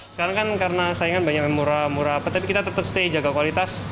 sekarang kan karena saingan banyak yang murah murah tapi kita tetap stay jaga kualitas